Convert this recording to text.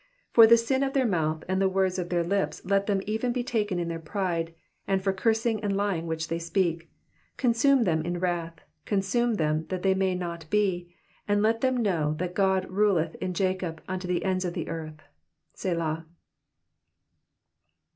12 For the sin of their mouth and the words of their lips let them even be taken in their pride : and for cursing and lying which they speak. 13 Consume them in wrath, consume them^ that they may not be : and let them know that God ruleth in Jacob unto the ends of the earth. Selah.